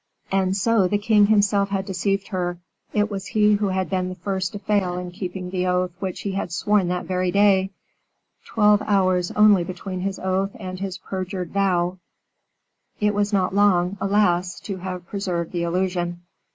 And so, the king himself had deceived her; it was he who had been the first to fail in keeping the oath which he had sworn that very day; twelve hours only between his oath and his perjured vow; it was not long, alas! to have preserved the illusion.